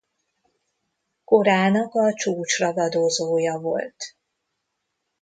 Korának a csúcsragadozója volt.